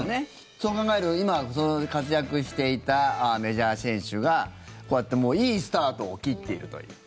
そう考えると今、活躍していたメジャー選手がこうやって、いいスタートを切っているという。